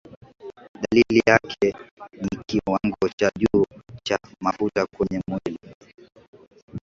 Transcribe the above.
dalili yake ni kiwango cha juu cha mafuta kwenye mwili